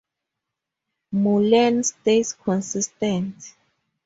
Mulan stays consistent.